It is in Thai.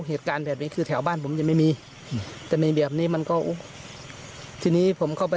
เหตุการณ์แบบนี้คือแถวบ้านผมยังไม่มีแต่มีแบบนี้มันก็ทีนี้ผมเข้าไป